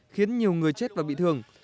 khiến nhiều người chết và bị thương